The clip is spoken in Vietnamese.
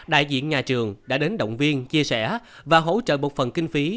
đại diện nhà trường đã đến động viên chia sẻ và hỗ trợ một phần kinh phí